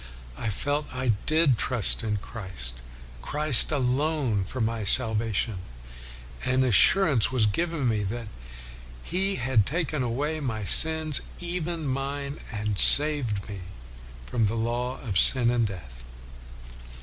I felt I did trust in Christ, Christ alone, for salvation, and an assurance was given me that He had taken away my sins, even mine, and saved me from the law of sin and death.'